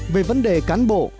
về vấn đề cán bộ